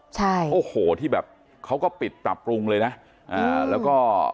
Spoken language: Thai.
ใช่โอ้โหที่แบบเขาก็ปิดปรับปรุงเลยนะอ่าแล้วก็